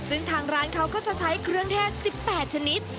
ซึ่งทางร้านเขาก็จะใช้เครื่องเทศ๑๘ชนิด